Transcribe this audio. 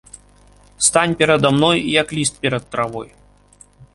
Стань перада мной, як ліст перад травой!